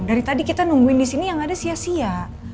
dari tadi kita nungguin disini ya gak ada sia sia